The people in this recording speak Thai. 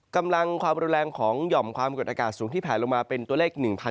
กำลังความรุนแรงของหย่อมความกดอากาศสูงที่แผลลงมาเป็นตัวเลข๑๐